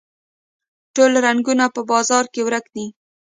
ټوله رنګونه په بازار کې ورک دي